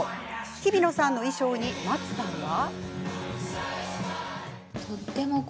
ひびのさんの衣装に松さんは。